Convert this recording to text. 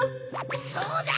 そうだ！